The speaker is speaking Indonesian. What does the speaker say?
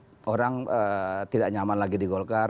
menyeberang tidak nyaman lagi di golkar